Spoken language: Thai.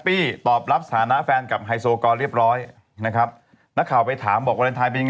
ทีเขาเน่ะเป็นคนน่ารักมากจริง